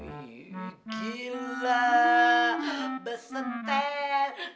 ih gila besetel